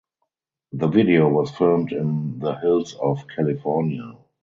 The video was filmed in "the hills of California".